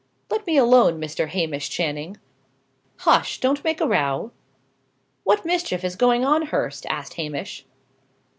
"Let me alone, Mr. Hamish Channing. Hush! Don't make a row." "What mischief is going on, Hurst?" asked Hamish.